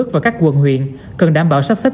và giãn cách